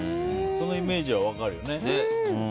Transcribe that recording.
そのイメージは分かるよね。